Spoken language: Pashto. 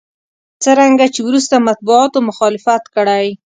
څرنګه چې وروسته مطبوعاتو مخالفت کړی.